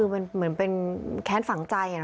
คือเหมือนเป็นแค้นฝังใจเนอะ